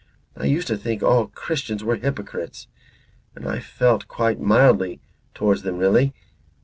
I used to think all Christians were hypocrites, and I felt quite mildly towards them really.